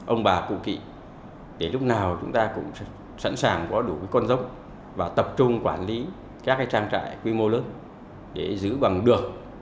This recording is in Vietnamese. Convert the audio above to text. ông bà cụ kỵ để lúc nào chúng ta cũng sẵn sàng có đủ con giống và tập trung quản lý các trang trại quy mô lớn để giữ bằng được